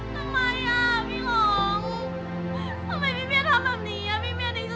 ทำไมพี่เบียทำแบบนี้